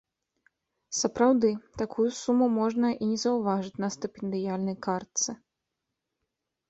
Сапраўды, такую суму можна і не заўважыць на стыпендыяльнай картцы.